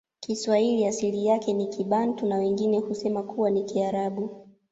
kiswahili asili yake ni kibantu na wengine husema kuwa ni kiarabu